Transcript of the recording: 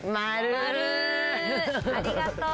ありがとう。